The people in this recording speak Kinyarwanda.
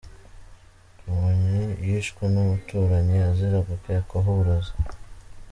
Kamonyi: Yishwe n’umuturanyi azira gukekwaho uburozi